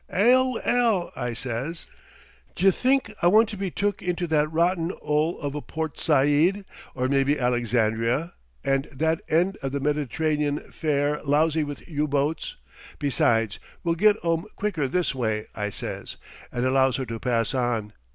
''Ail 'ell!' I says. 'D'y' think I want to be took into that rotten 'ole of a Port Said, or maybe Alexandria, and that end of the Mediterranean fair lousy with U boats. Besides, we'll get 'ome quicker this way,' I says, and allows her to pass on.